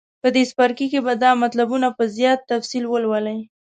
په دې څپرکي کې به دا مطلبونه په زیات تفصیل ولولئ.